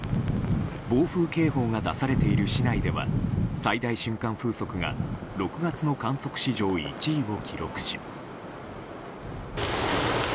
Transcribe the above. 暴風警報が出されている市内では最大瞬間風速が６月の観測史上１位を記録し。